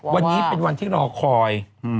วันนี้เป็นวันที่รอคอย